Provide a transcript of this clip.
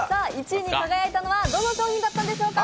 １位に輝いたのはどの商品だったんでしょうか。